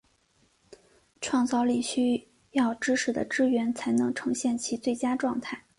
创造力需要知识的支援才能呈现其最佳状态。